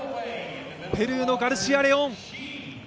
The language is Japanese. ペルーのガルシア・レオン。